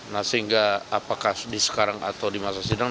nah sehingga apakah di sekarang atau di masa sidang